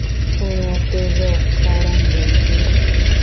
هنر د ذوق ښکارندوی دی